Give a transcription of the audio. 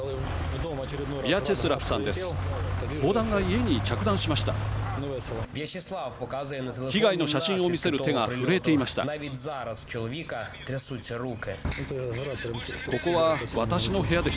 ビヤチェスラフさんです。